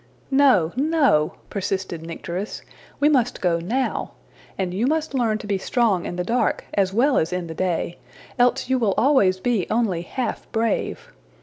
'' ``No, no,'' persisted Nycteris; ``we must go now. And you must learn to be strong in the dark as well as in the day, else you will always be only half brave.